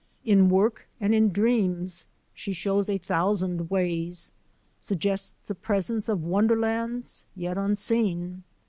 In work and in dreams she shows a thousand ways, suggests the presence of wonderlands yet unseen.